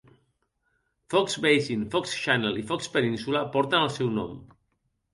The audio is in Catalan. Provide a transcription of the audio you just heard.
Foxe Basin, Foxe Channel i Foxe Peninsula porten el seu nom.